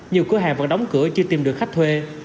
nhiều cửa hàng vẫn đóng cửa chưa tìm được khách thuê